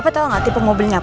bapak tau ga tipe mobilnya apa